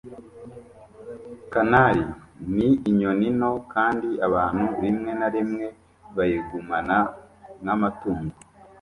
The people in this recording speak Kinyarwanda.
Canary ni inyoni nto kandi abantu rimwe na rimwe bayigumana nk'amatungo.